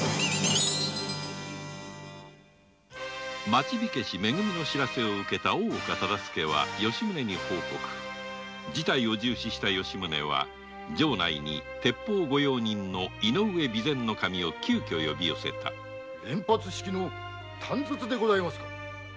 町火消・め組の報せを受けた大岡忠相は吉宗に報告事態を重視した吉宗は城内に鉄砲御用人の井上備前守を急ぎ呼び寄せた連発式の短筒でございますか？